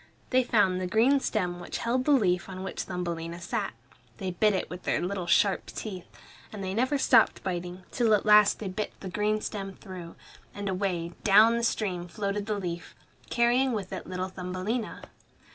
They found the green stem which held the leaf on which Thumbelina sat. They bit it with their little sharp teeth, and they never stopped biting, till at last they bit the green stem through; and away, down the stream, floated the leaf, carrying with it little Thumbelina.